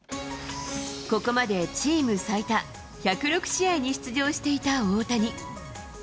ここまでチーム最多１０６試合に出場していた大谷。